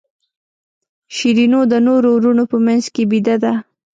شیرینو د نورو وروڼو په منځ کې بېده ده.